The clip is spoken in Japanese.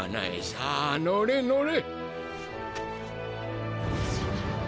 さあ乗れ乗れ。